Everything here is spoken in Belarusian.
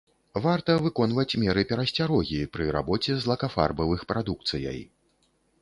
Варта выконваць меры перасцярогі пры рабоце з лакафарбавых прадукцыяй.